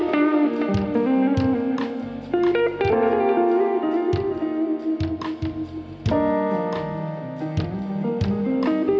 terima kasih banyak ibu